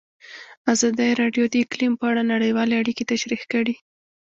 ازادي راډیو د اقلیم په اړه نړیوالې اړیکې تشریح کړي.